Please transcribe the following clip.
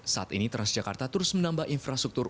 saat ini transjakarta terus menambah infrastruktur